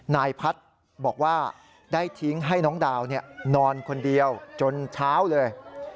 นายพัฒน์บอกว่าได้ทิ้งให้น้องดาวนอนคนเดียวจนเช้าเลย